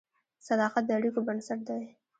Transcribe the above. صداقت د اړیکو بنسټ دی.